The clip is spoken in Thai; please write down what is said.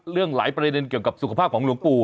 หลายประเด็นเกี่ยวกับสุขภาพของหลวงปู่